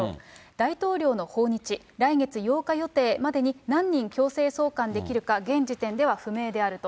大統領の訪日、来月８日予定までに何人強制送還できるか現時点では不明であると。